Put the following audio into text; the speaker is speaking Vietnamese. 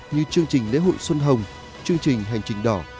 như chương trình lễ hội xuân hồng chương trình hành trình đỏ